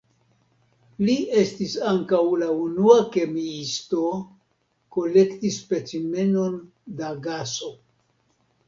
Li estis ankaŭ la unua kemiisto kolekti specimenon da gaso.